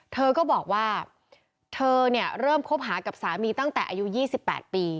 เธอก็บอกว่าเธอเนี่ยเริ่มคบหากับสามีตั้งแต่อายุ๒๘ปี